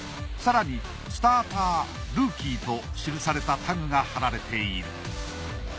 更にスタータールーキーと記されたタグが貼られている。